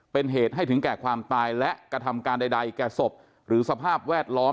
เป็นเหตุให้ถึงแก่ความตายและกระทำการใดแก่ศพหรือสภาพแวดล้อม